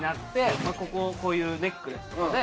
こここういうネックレスで。